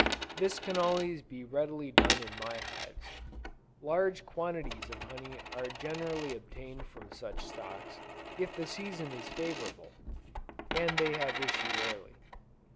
This can always be readily done in my hives. Large quantities of honey are generally obtained from such stocks, if the season is favorable, and they have issued early.